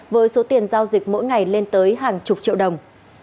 với số tiền giao dịch mỗi ngày lên tới hàng chục triệu đồng